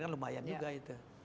kan lumayan juga itu